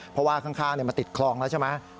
เพราะว่าข้างเนี่ยเหมาะติดคลองและใช่ไหม